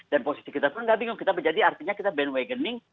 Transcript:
dan posisi kita pun enggak bingung kita menjadi artinya kita bandwagoning